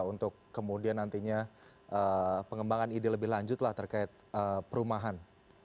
untuk kemudian nantinya pengembangan ide lebih lanjut lah terkait perumahan